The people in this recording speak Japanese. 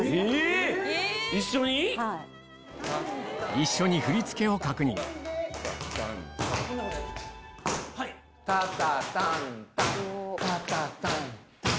一緒に振り付けを確認タタタンタンタタタンタン！